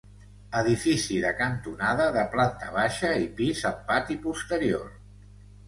Edifici de cantonada de planta baixa i pis amb pati posterior.